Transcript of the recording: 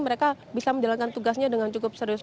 mereka bisa menjalankan tugasnya dengan cukup serius